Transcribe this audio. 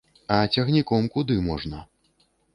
А цягніком куды можна?